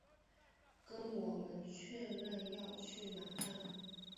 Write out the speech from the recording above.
跟我们确认要去那站